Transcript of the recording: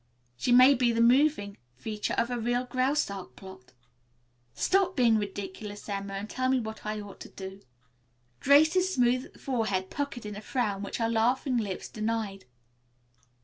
She may be the moving feature of a real Graustark plot." "Stop being ridiculous, Emma, and tell me what I ought to do." Grace's smooth forehead puckered in a frown which her laughing lips denied.